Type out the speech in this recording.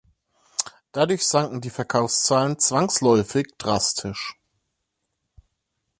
Dadurch sanken die Verkaufszahlen zwangsläufig drastisch.